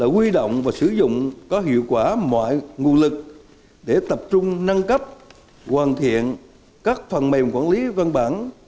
quy động và sử dụng có hiệu quả mọi nguồn lực để tập trung nâng cấp hoàn thiện các phần mềm quản lý văn bản